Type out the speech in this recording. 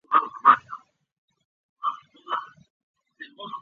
沙托鲁格。